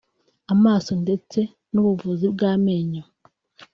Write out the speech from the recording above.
amaso ndetse n’ubuvuzi bw’amenyo